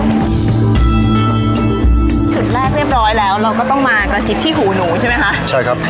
จุดแรกเรียบร้อยแล้วเราก็ต้องมากระซิบที่หูหนูใช่ไหมคะใช่ครับ